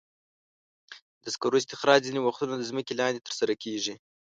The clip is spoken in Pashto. د سکرو استخراج ځینې وختونه د ځمکې لاندې ترسره کېږي.